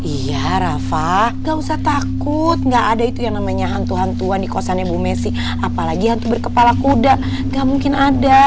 iya rafa gak usah takut gak ada itu yang namanya hantu hantuan di kosannya bu messi apalagi hantu berkepala kuda gak mungkin ada